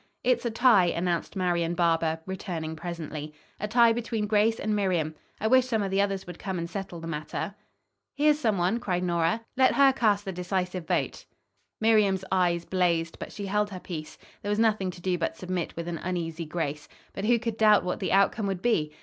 "It's a tie," announced Marian Barber, returning presently; "a tie between Grace and Miriam. I wish some of the others would come and settle the matter." "Here's some one," cried Nora. "Here's Anne Pierson. Let her cast the decisive vote." Miriam's eyes blazed, but she held her peace. There was nothing to do but submit with an uneasy grace. But who could doubt what the outcome would be?